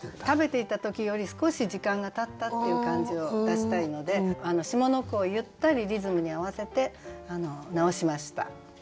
食べていた時より少し時間がたったっていう感じを出したいので下の句をゆったりリズムに合わせて直しました。